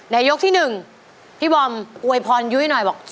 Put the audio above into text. ยกที่๑พี่บอมอวยพรยุ้ยหน่อยบอก